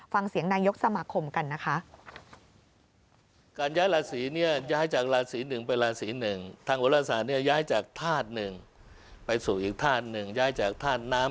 ฟังเสียงนายกสมาคมกันนะคะ